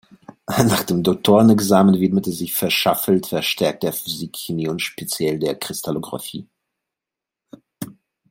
Nach dem Doktorexamen widmete sich Verschaffelt verstärkt der Physik, Chemie und speziell der Kristallographie.